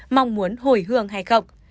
mong muốn hồi hương hay không